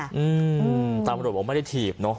อืมตำรวจบอกไม่ได้ถีบเนอะ